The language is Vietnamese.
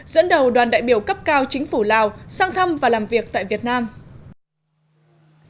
dẫn đầu đoàn đại biểu cấp cao chính phủ lào sang thăm và làm việc tại việt nam